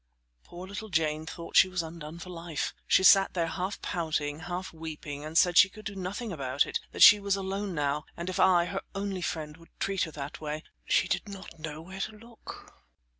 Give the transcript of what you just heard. Poor little Jane thought she was undone for life. She sat there half pouting, half weeping, and said she could do nothing about it; that she was alone now, and if I, her only friend, would treat her that way, she did not know where to look.